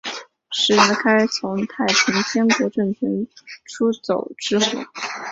石达开从太平天国政权出走之后。